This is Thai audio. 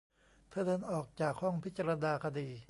เธอเดินออกจากห้องพิจารณาคดี